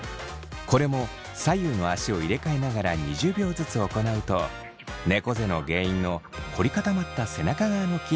これも左右の足を入れ替えながら２０秒ずつ行うとねこ背の原因の凝り固まった背中側の筋肉が伸びるそう。